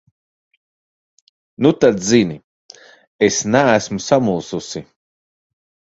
Nu tad zini: es neesmu samulsusi.